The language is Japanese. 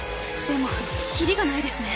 でもキリがないですね。